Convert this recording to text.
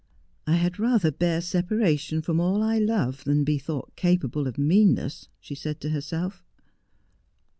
' I had rather bear separation from all Hove than be thought capable of meanness,' she said to herself.